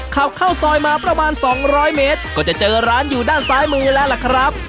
ขับเข้าซอยมาประมาณ๒๐๐เมตรก็จะเจอร้านอยู่ด้านซ้ายมือแล้วล่ะครับ